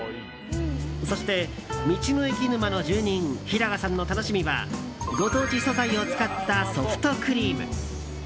そして、道の駅沼の住人平賀さんの楽しみはご当地素材を使ったソフトクリーム。